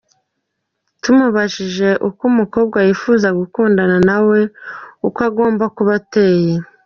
Tumubajije umukobwa yifuza gukundana nawe uko agomba kuba ateye.